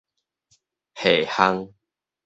係項